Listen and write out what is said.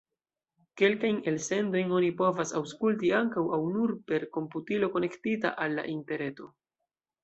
Kelkajn elsendojn oni povas aŭskulti ankaŭ aŭ nur per komputilo konektita al la interreto.